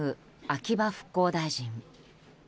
秋葉復興大臣。